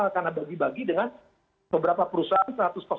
karena dibagi bagi dengan beberapa perusahaan